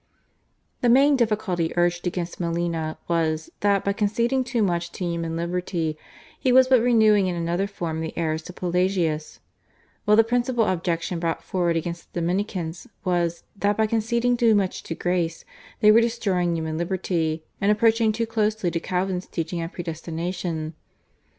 The main difficulty urged against Molina was, that by conceding too much to human liberty he was but renewing in another form the errors of Pelagius; while the principal objection brought forward against the Dominicans was, that by conceding too much to Grace they were destroying human liberty, and approaching too closely to Calvin's teaching on Predestination.